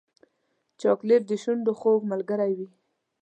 چاکلېټ د شونډو خوږ ملګری وي.